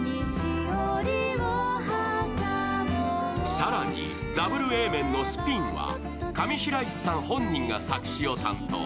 更にダブルＡ面の「スピン」は上白石さん本人が作詞を担当。